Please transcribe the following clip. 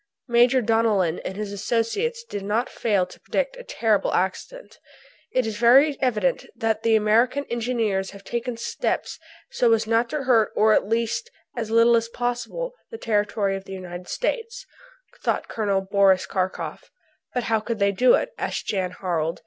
Major Donellan and his associates did not fail to predict a terrible accident. "It is very evident that the American engineers have taken steps so as not to hurt, or at least as little as possible, the territory of the United States," thought Col. Boris Karkof. "But how could they do it?" asked Jan Harald.